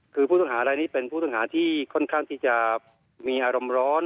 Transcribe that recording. คือผู้ต้องหารายนี้เป็นผู้ต้องหาที่ค่อนข้างที่จะมีอารมณ์ร้อน